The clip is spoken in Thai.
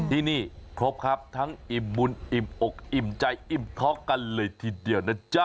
ที่นี่ครบครับทั้งอิ่มบุญอิ่มอกอิ่มใจอิ่มท็อกกันเลยทีเดียวนะจ๊ะ